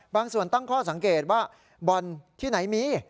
บางส่วนตั้งข้อสังเกตว่าบ่อนที่ไหนมี